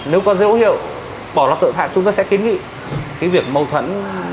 nếu có dấu hiệu bỏ lọt tội phạm chúng tôi sẽ kiến nghị cái việc mâu thuẫn